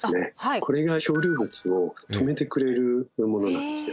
これが漂流物を止めてくれるというものなんですよ。